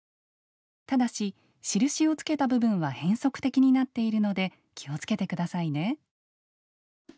ただし印をつけた部分は変則的になっているので気をつけてくださいね。